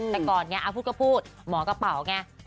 แต่ก่อนไงพูดก็พูดหมอกระเป๋าไง